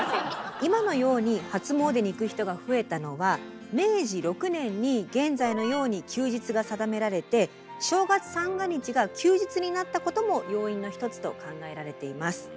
今のように初詣に行く人が増えたのは明治６年に現在のように休日が定められて正月三が日が休日になったことも要因の一つと考えられています。